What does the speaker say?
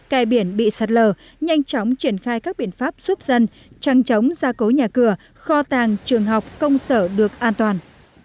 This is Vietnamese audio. cài biển bị sạt lờ nhanh chóng triển khai các biện pháp giúp dân trăng chóng gia cố nhà cửa kho tàng trường học công sở được an toàn